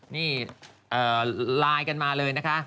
นี่ไลน์กันมาเลยนะคะ